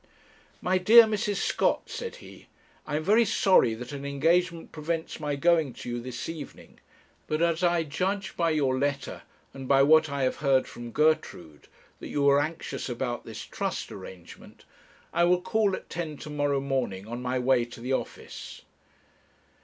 'My dear Mrs. Scott,' said he, 'I am very sorry that an engagement prevents my going to you this evening; but, as I judge by your letter, and by what I have heard from Gertrude, that you are anxious about this trust arrangement, I will call at ten to morrow morning on my way to the office.'